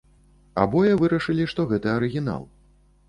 Абое вырашылі, што гэта арыгінал.